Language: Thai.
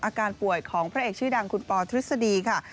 อาการป่วยของพระเอกชื่อดังคุณปอทฤษฎีค่ะ